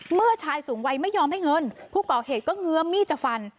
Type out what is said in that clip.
เมื่อชายสูงวัยไม่ยอมให้เงินผู้ก่อเหตุก็เงื้อมีดจะฟัน